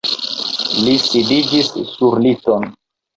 Li sidiĝis sur liton.